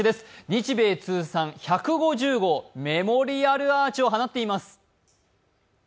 日米通算１５０号、メモリアルアーチを放っています。